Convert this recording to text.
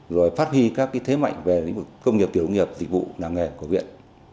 rồi phát huy các cái thế mạnh về công nghiệp tiểu công nghiệp dịch vụ năng nghề của huyện